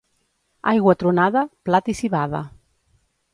Aigua tronada, blat i civada.